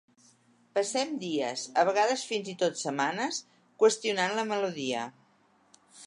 Passem dies, a vegades fins i tot setmanes, qüestionant la melodia.